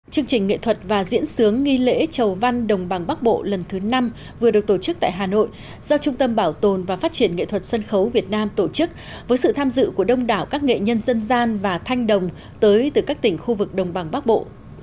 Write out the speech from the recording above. chương trình nghệ thuật và diễn sướng nghi lễ chầu văn đồng bằng bắc bộ lần thứ năm vừa được tổ chức tại hà nội do trung tâm bảo tồn và phát triển nghệ thuật sân khấu việt nam tổ chức với sự tham dự của đông đảo các nghệ nhân dân gian và thanh đồng tới từ các tỉnh khu vực đồng bằng bắc bộ